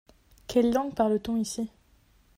Quelle langue parle-t-on ici ?